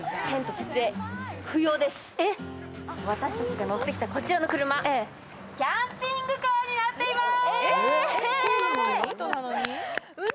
私たちが乗ってきた、こちらの車キャンピングカーになってます。